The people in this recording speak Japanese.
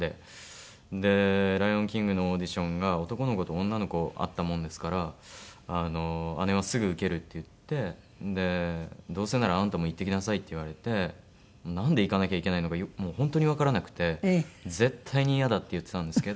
で『ライオンキング』のオーディションが男の子と女の子あったものですから姉はすぐ受けるって言って「どうせならあんたも行ってきなさい」って言われてなんで行かなきゃいけないのかもう本当にわからなくて「絶対にイヤだ」って言ってたんですけど。